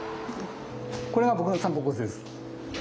これが僕の散歩コースです。